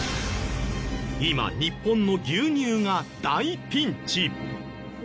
今日本の牛乳が大ピンチ！